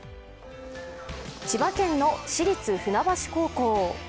千葉県の市立船橋高校。